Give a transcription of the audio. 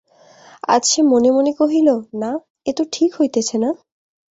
আজ সে মনে মনে কহিল, না, এ তো ঠিক হইতেছে না।